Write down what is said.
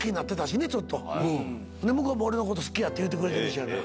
向こうも俺のこと好きやって言うてくれてるしやな。